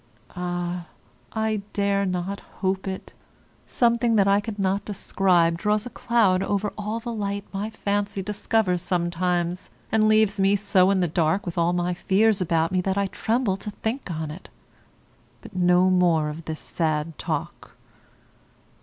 Ah! I dare not hope it; something that I cannot describe draws a cloud over all the light my fancy discovers sometimes, and leaves me so in the dark with all my fears about me that I tremble to think on't. But no more of this sad talk.